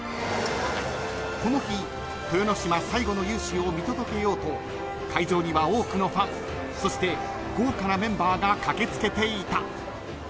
［この日豊ノ島最後の勇姿を見届けようと会場には多くのファンそして豪華なメンバーが駆け付けていた］